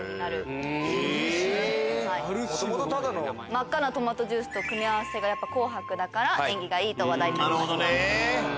真っ赤なトマトジュースとの組み合わせが紅白だから縁起がいいと話題になりました。